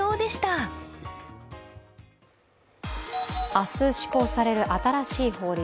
明日、施行される新しい法律。